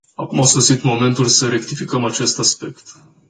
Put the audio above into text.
Acum a sosit momentul să rectificăm acest aspect.